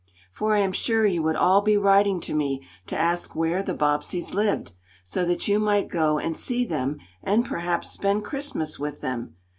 For I am sure you would all be writing to me to ask where the Bobbseys lived, so that you might go and see them, and perhaps spend Christmas with them.